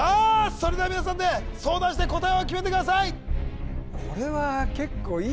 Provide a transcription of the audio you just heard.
それでは皆さんで相談して答えを決めてください